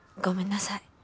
ごめんなさい。